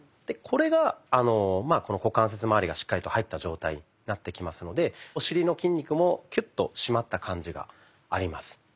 これが股関節まわりがしっかりと入った状態になってきますのでお尻の筋肉もキュッと締まった感じがあります。